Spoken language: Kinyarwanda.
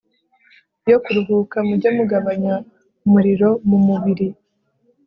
yo kuruhuka Mujye mugabanya umuriro mu mubiri